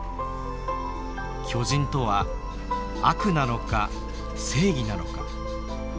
巨人とは悪なのか正義なのか？